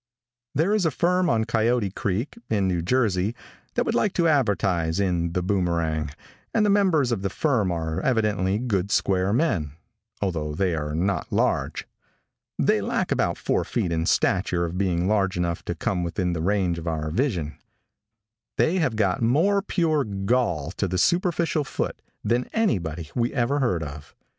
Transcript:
|THERE is a firm on Coyote creek, in New Jersey, that would like to advertise in The Boomerang, and the members of the firm are evidently good square men, although they are not large. They lack about four feet in stature of being large enough to come within the range of our vision. They have got more pure gall to the superficial foot than anybody we ever heard of.